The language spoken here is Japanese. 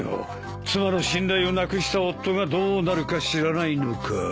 妻の信頼をなくした夫がどうなるか知らないのかい？